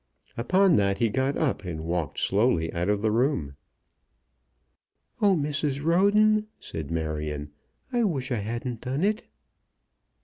Upon that he got up and walked slowly out of the room. "Oh, Mrs. Roden," said Marion, "I wish I hadn't done it."